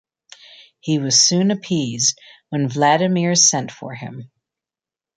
He was soon appeased when Vladimir sent for him.